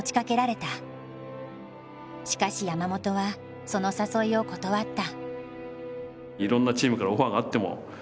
しかし山本はその誘いを断った。